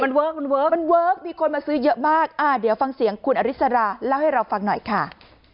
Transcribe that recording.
มันเวิร์คมันเวิร์คมันเวิร์คมีคนมาซื้อเยอะมากอ่าเดี๋ยวฟังเสียงคุณอริสราเล่าให้เราฟังหน่อยค่ะ